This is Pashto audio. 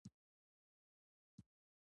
د هرات په پښتون زرغون کې د وسپنې نښې شته.